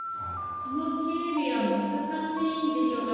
この警備は難しいんでしょうか。